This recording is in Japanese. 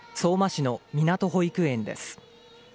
相馬市のみなと保育園です。